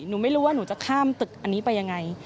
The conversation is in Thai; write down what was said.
หนูไม่รู้ว่าหนูจะข้ามตึกอันนี้ไปยังไง